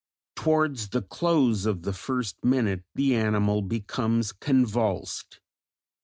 Towards the close of the first minute the animal becomes convulsed.